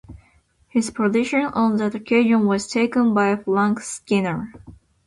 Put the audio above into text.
His position on that occasion was taken by Frank Skinner.